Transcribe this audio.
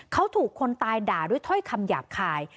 เขาถูกคนตายด่าด้วยถ้อยคำหยาบคาย